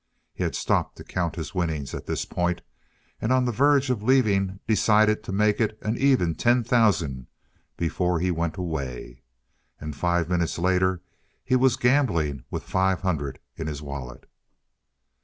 He had stopped to count his winnings at this point, and on the verge of leaving decided to make it an even ten thousand before he went away. And five minutes later he was gambling with five hundred in his wallet.